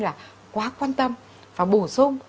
là quá quan tâm và bổ sung